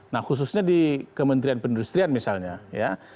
nah khususnya di kementerian penduduk serian misalnya ya